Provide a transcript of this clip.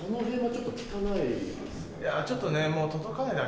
ちょっとねもう。